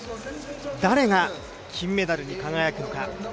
誰が金メダルに輝くのか。